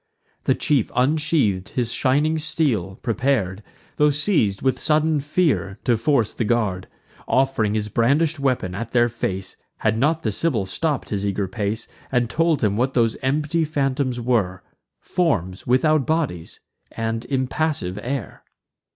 The chief unsheath'd his shining steel, prepar'd, Tho' seiz'd with sudden fear, to force the guard, Off'ring his brandish'd weapon at their face; Had not the Sibyl stopp'd his eager pace, And told him what those empty phantoms were: Forms without bodies, and impassive air.